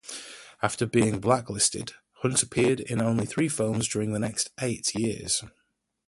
After being blacklisted, Hunt appeared in only three films during the next eight years.